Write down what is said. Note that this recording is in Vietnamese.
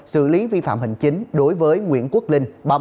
xử lý vi phạm hành chính đối với nguyễn quốc linh